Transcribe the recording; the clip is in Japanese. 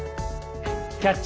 「キャッチ！